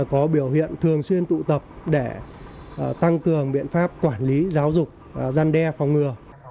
có biểu hiện thường xuyên tụ tập để tăng cường biện pháp quản lý giáo dục gian đe phòng ngừa